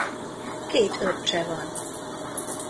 Két öccse van.